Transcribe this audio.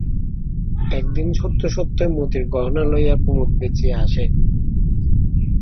একদিন সত্য সত্যই মতির গহনা লইয়া কুমুদ বেচিয়া আসে।